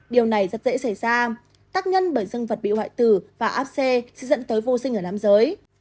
điều này rất dễ xảy ra tác nhân bởi dân vật bị hoại tử và áp xe dẫn tới vô sinh ở nam giới